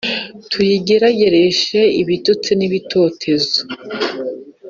Tuyigeragereshe ibitutsi n’ibitotezo,